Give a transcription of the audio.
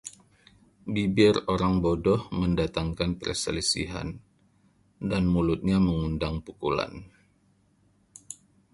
Bibir orang bodoh mendatangkan perselisihan, dan mulutnya mengundang pukulan.